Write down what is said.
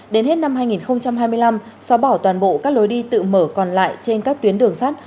đến hết năm hai nghìn hai mươi năm xóa bỏ toàn bộ các lối đi tự mở còn lại trên các tuyến đường sắt